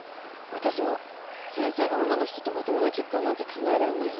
私も先生が女の人とまともな結婚なんて考えらんないよ。